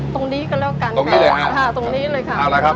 ตรงนี้ก็แล้วกันตรงนี้เลยค่ะตรงนี้เลยค่ะเอาละครับ